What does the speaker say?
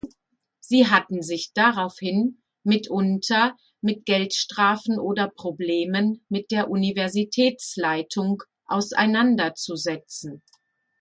Sie hatten sich daraufhin mitunter mit Geldstrafen oder Problemen mit der Universitätsleitung auseinanderzusetzen.